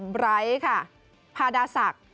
ไบร์ทค่ะพาดาศักดิ์